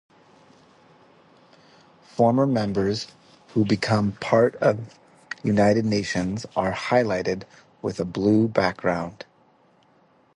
Former members who became part of United Nations are highlighted with a blue background.